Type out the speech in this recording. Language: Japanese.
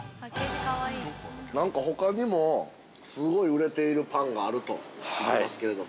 ◆なんかほかにも、すごい売れているパンがあると聞きますけれども。